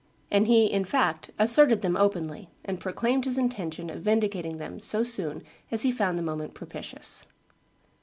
And he, in fact, asserted them openly, and proclaimed his intention of vindicating them so soon as he found the moment propitious.